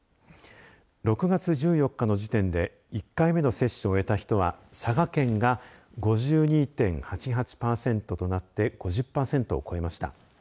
６月１４日の時点で１回目の接種を終えた人は佐賀県が５２．８８パーセントとなって５０パーセントを超えました。